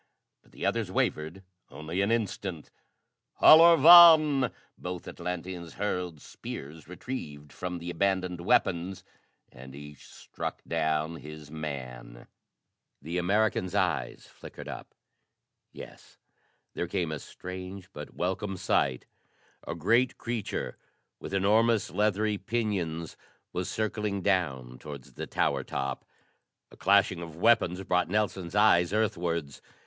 But the others wavered only an instant. "Halor vàn!" Both Atlanteans hurled spears retrieved from the abandoned weapons and each struck down his man. The American's eye flickered up. Yes, there came a strange, but welcome sight: a great creature with enormous, leathery pinions was circling down towards the tower top! A clashing of weapons brought Nelson's eyes earthwards.